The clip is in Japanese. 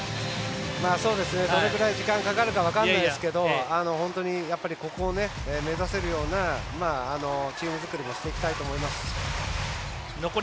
どれぐらい時間がかかるか分からないですけどここを目指せるようなチーム作りをしていきたいと思います。